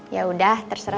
yaudah teteh gak usah